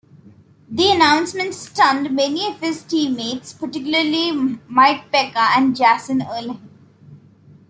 The announcement stunned many of his teammates, particularly Mike Peca and Jason Woolley.